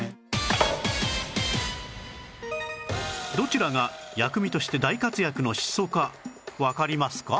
どちらが薬味として大活躍のシソかわかりますか？